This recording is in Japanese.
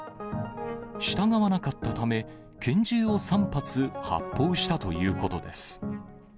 従わなかったため、拳銃を３発、発砲したということです。